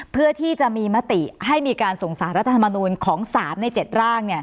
เพื่อที่จะมีมติให้มีการส่งสารรัฐธรรมนูลของ๓ใน๗ร่าง